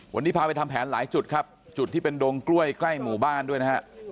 วันนี้พาไปทำแผนหลายจุดครับจุดที่เป็นดงกล้วยใกล้หมู่บ้านด้วยนะฮะ